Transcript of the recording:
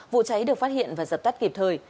vụ cháy được phát hiện và dập tắt kịp thời